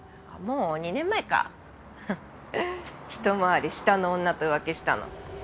もう２年前か一回り下の女と浮気したの。